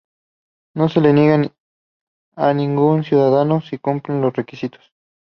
No se le niega a ningún ciudadano, si cumplen los requisitos.